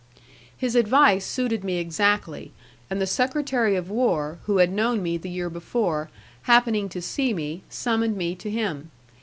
His advice suited me exactly, and the secretary of war, who had known me the year before, happening to see me, summoned me to him.